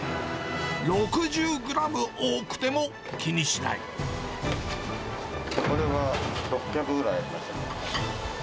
６０グラム多くても気にしなこれは６００ぐらいありますね。